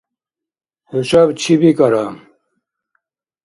ХӀушаб чи бикӀара?